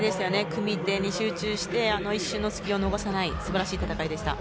組み手に集中して一瞬の隙を逃さない素晴らしい戦いでした。